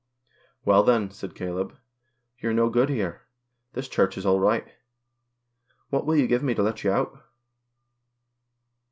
"Well, then," said Caleb, "you're no good here. This Church is all right. What will you give me to let you out